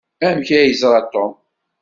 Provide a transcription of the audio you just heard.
Amek ay yeẓra Tom?